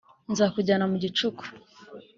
nzakujyana mu gicuku